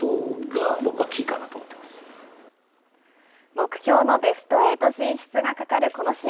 目標のベストエイト進出がかかるこの試合。